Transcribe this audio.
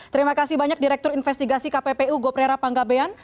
terima kasih banyak direktur investigasi kppu goprera panggabean